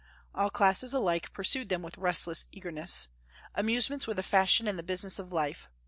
All classes alike pursued them with restless eagerness. Amusements were the fashion and the business of life.